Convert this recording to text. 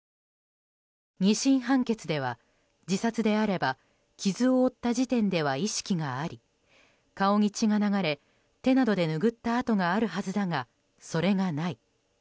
２審判決では、自殺であれば傷を負った時点では意識があり顔に血が流れ手などで拭った跡があるはずだがそれがない。